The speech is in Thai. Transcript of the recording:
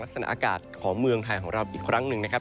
ลักษณะอากาศของเมืองไทยของเราอีกครั้งหนึ่งนะครับ